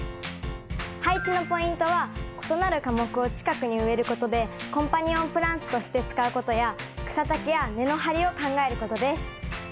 配置のポイントは異なる科目を近くに植えることでコンパニオンプランツとして使うことや草丈や根の張りを考えることです。